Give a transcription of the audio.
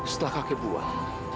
setelah kakek buang